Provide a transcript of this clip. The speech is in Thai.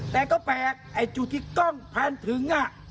แต่ก็แปลกไอ้จุดที่กล้องพันถึง